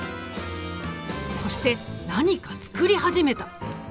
そして何か作り始めた。